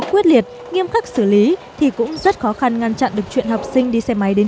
quyết liệt nghiêm khắc xử lý thì cũng rất khó khăn ngăn chặn được chuyện học sinh đi xe máy đến